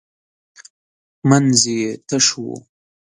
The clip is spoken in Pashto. منځ یې تش و .